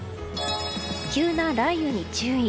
急な雷雨に注意。